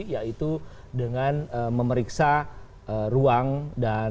yaitu dengan memeriksa ruang dan melakukan penyelidikan